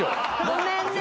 ごめんね。